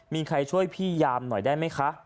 มีใครช่วยพี่ยามหน่อยได้ไหมคะ